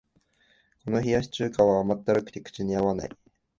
この冷やし中華は甘ったるくて口に合わない